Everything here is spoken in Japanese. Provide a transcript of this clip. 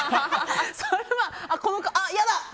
それは、やだ！